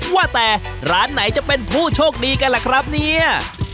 ว่าแต่ร้านไหนจะเป็นผู้โชคดีกันล่ะครับเนี่ย